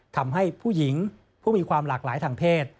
ทำให้ผู้หญิงผู้มีความหลากหลายทางเพศ